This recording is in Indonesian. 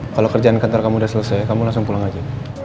kalau kerjaan kantor kamu sudah selesai kamu langsung pulang aja